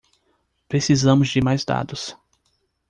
Precisamos de mais dados.